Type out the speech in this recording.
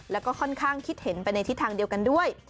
แล้วก็ค่อนข้างคิดเห็นไปในทิศทางเดียวกันด้วย